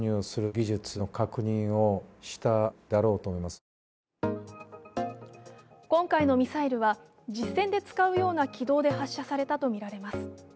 専門家は今回のミサイルは実戦で使うような軌道で発射されたとみられます。